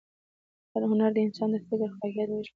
هنر د انسان د فکر، خلاقیت او نوښت له لارې روح تازه کوي.